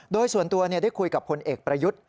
โดยส่วนตัวได้คุยกับพลเอกประยุทธ์